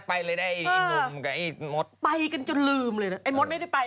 ไปเลยนะไอ้หนุ่มกับไอ้มดไปกันจนลืมเลยนะไอ้มดไม่ได้ไป